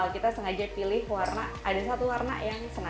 kita sengaja pilih warna ada satu warna yang sengaja